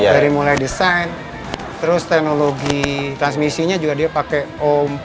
dari mulai desain terus teknologi transmisinya juga dia pake o empat